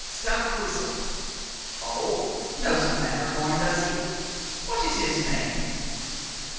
Stampa whistled. "Oh knows the Matterhorn, does he? What is his name?"